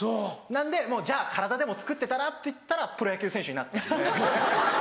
なんでもうじゃあ体でもつくってたら？っていったらプロ野球選手になったんで。